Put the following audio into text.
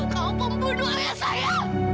kau pembunuh ayah saya